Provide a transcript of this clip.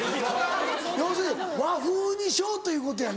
要するに和風にしようということやな？